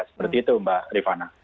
seperti itu mbak rifana